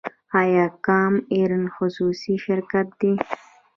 آیا کام ایر خصوصي شرکت دی؟